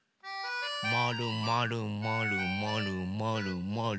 まるまるまるまるまるまる。